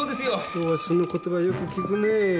きょうはその言葉よく聞くねえ。